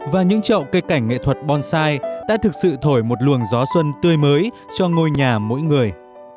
và những chậu cây cảnh nghệ thuật bonsai đã thực sự thổi một luồng gió xuân tươi mới cho ngôi nhà mỗi người